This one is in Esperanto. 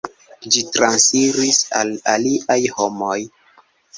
Ĝi transiris al aliaj homoj.